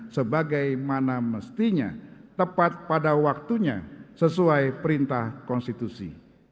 sebagaimana mestinya tepat pada waktunya sesuai perintah konstitusi